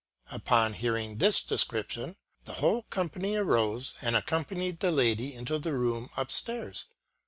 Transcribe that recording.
Upon hearing this description the whole company arose and accompanied the lady into the room upstairs.